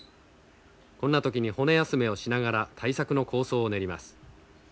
こんな時に骨休めをしながら大作の構想を練ります。